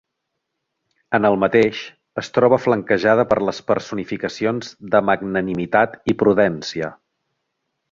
En el mateix, es troba flanquejada per les personificacions de Magnanimitat i Prudència.